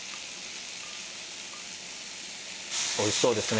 おいしそうですね。